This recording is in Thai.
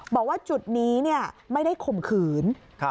บอกว่าจุดนี้ไม่ได้ข่มขืน